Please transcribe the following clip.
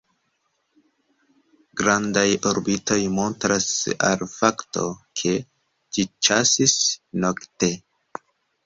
Grandaj orbitoj montras al fakto, ke ĝi ĉasis nokte.